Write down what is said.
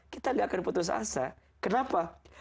kita gak akan putus asa kenapa